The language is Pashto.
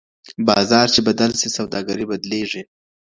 بازار چي بدل سي سوداګري بدلېږي.